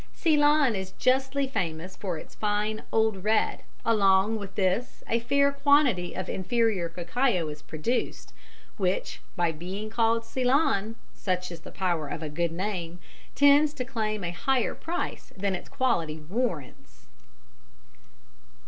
Ceylon is justly famous for its fine "old red"; along with this a fair quantity of inferior cacao is produced, which by being called Ceylon (such is the power of a good name), tends to claim a higher price than its quality warrants.